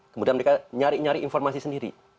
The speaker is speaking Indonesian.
kemudian mereka nyari nyari informasi sendiri